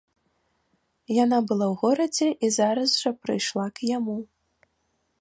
Яна была ў горадзе і зараз жа прыйшла к яму.